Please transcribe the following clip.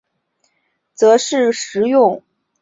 则是食用时把食物蘸进已调味的酱。